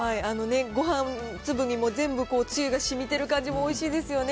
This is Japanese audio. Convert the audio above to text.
ごはん粒にも全部つゆがしみてる感じもおいしいですよね。